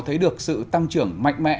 thấy được sự tăng trưởng mạnh mẽ